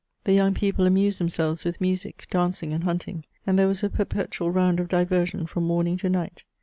The young people amused themselves with music, dancing, and hunting, and there was a perpetual round of diversion from morning to night.